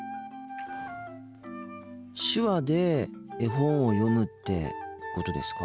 手話で絵本を読むってことですか？